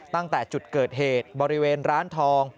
ตั้งแต่จุดเกิดเหตุบริเวณร้านทอง